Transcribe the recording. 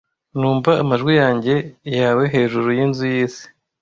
Numva amajwi yanjye yawp hejuru yinzu yisi.